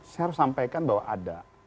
saya harus sampaikan bahwa ada